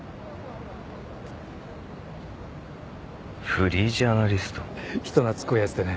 フリージャーナリスト？人懐っこいやつでね。